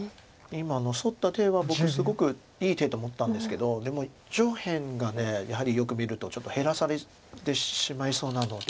今のソッた手は僕すごくいい手と思ったんですけどでも上辺がやはりよく見るとちょっと減らされてしまいそうなので。